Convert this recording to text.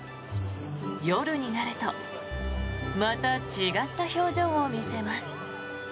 夜になるとまた違った表情を見せます。